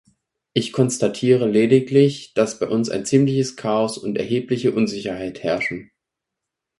Ich konstatiere lediglich, dass bei uns ein ziemliches Chaos und erhebliche Unsicherheit herrschen.